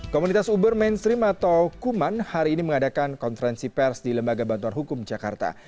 komunitas uber mainstream atau kuman hari ini mengadakan konferensi pers di lembaga bantuan hukum jakarta